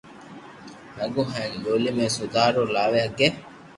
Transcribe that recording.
ھگو ھين ٻولي ۾ سودا رو لاوي ھگي